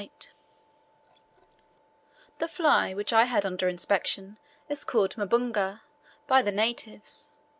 The fly which I had under inspection is called mabunga by the natives.